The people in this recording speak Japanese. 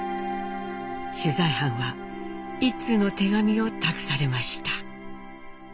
取材班は一通の手紙を託されました。